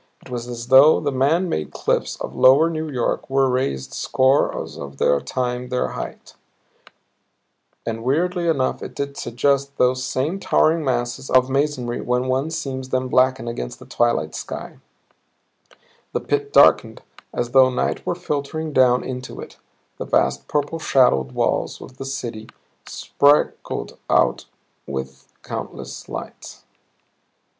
It was as though the man made cliffs of lower New York were raised scores of times their height, stretched a score of times their length. And weirdly enough it did suggest those same towering masses of masonry when one sees them blacken against the twilight skies. The pit darkened as though night were filtering down into it; the vast, purple shadowed walls of the city sparkled out with countless lights.